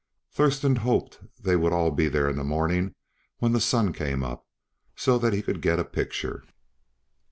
Thurston hoped they would all be there in the morning when the sun came up, so that he could get a picture.